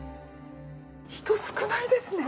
人少ないですね。